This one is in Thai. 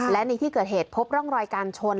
และในที่เกิดเหตุพบร่องรอยการชน